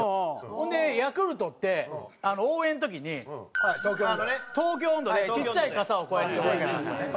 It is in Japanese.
ほんでヤクルトって応援の時に『東京音頭』でちっちゃい傘をこうやって差すんですよね。